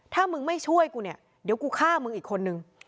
ถ้ามึงไม่ช่วยกูเนี่ยเดี๋ยวกูฆ่ามึงอีกคนนึง